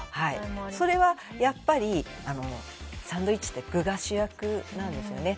それは、やっぱりサンドイッチって具が主役なんですよね。